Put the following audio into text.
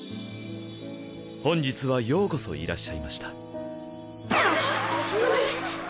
本日はようこそいらっしゃいました。